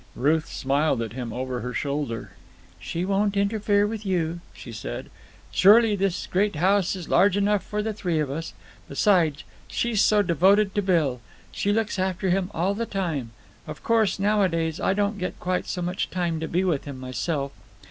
Ruth smiled at him over her shoulder. "She won't interfere with you," she said. "Surely this great house is large enough for the three of us. Besides, she's so devoted to Bill. She looks after him all the time; of course, nowadays I don't get quite so much time to be with him myself.